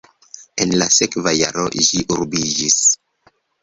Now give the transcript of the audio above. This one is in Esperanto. En la sekva jaro ĝi urbiĝis.